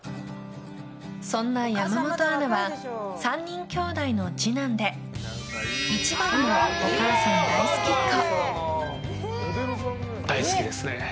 そんな山本アナは３人きょうだいの次男で一番のお母さん大好きっ子。